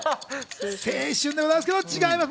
青春でございますけど、違います。